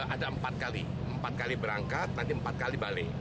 ada empat kali empat kali berangkat nanti empat kali balik